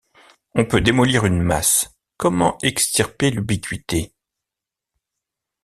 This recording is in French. On peut démolir une masse, comment extirper l’ubiquité?